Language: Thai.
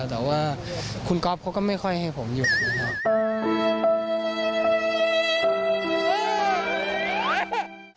แต่ว่าคุณก๊อฟเขาก็ไม่ค่อยให้ผมอยู่นะครับ